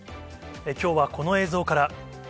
きょうはこの映像から。